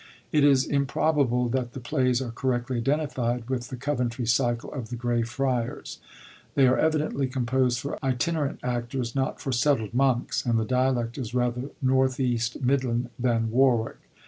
It is improbable that the plays are correctly identified witii the Coventry Cycle of the Grey Friars. They are evidently composed for itinerant actors, not for. settled monks, and the dialect is rather north east midland than Warwick.